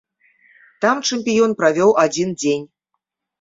Там чэмпіён правёў адзін дзень.